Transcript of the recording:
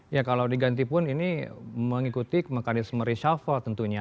ya kalau diganti pun ini mengikuti mekanisme reshuffle tentunya